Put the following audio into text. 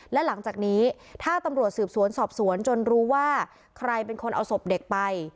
และหลังจากนี้ถ้าตำรวจสืบสวนสอบสวนจนรู้ว่าใครเป็นคนเอาศพเด็กไป